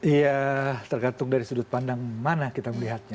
iya tergantung dari sudut pandang mana kita melihatnya